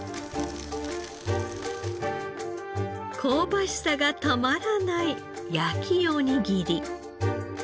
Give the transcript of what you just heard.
香ばしさがたまらない焼きおにぎり。